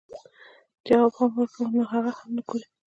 جواب هم وکړم نو هغه هم نۀ ګوري -